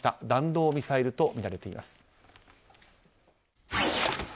弾道ミサイルとみられています。